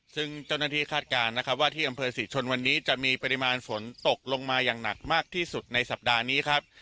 ซึ่งเจ้าหน้าที่คาดการณ์นะครับว่าที่อำเภอศรีชนวันนี้จะมีปริมาณฝนตกลงมาอย่างหนักมากที่สุดในสัปดาห์นี้ครับ